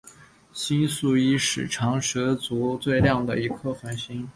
星宿一是长蛇座最亮的一颗恒星。